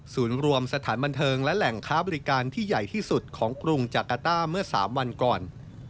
รวมสถานบันเทิงและแหล่งค้าบริการที่ใหญ่ที่สุดของกรุงจากาต้าเมื่อ๓วันก่อน